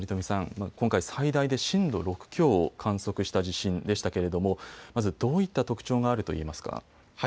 今回、最大で震度６強を観測した地震でしたけれどもどういった特徴があると言えますか。